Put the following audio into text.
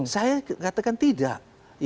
saya katakan tidak